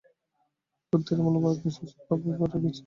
বুদ্ধের আমলে ভারতবর্ষ এইসব ভাবে ভরে গিয়েছিল।